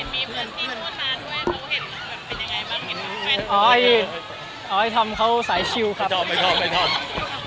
เอาไอ้ทำเขาสายชิลครับ